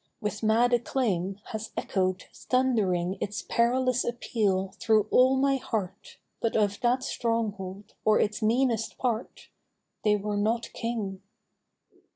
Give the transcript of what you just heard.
With mad acclaim, has echo'd, thundering Its perilous appeal through all my heart, But of that stronghold, or its meanest part, They were not King.